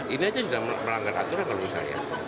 ini aja sudah melanggar aturan kalau menurut saya